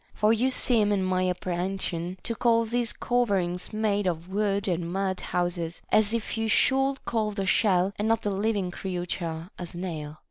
For you seem in my appre hension to call these coverings made of wood and mud houses, as if you should call the shell and not the living creature a snail.